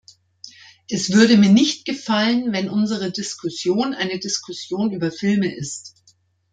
Es würde mir nicht gefallen, wenn unsere Diskussion eine Diskussion über Filme ist.